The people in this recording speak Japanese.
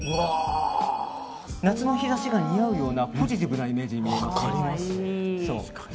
夏の日差しが似合うようなポジティブなイメージに見えますね。